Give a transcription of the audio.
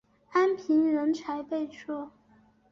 安平人才辈出。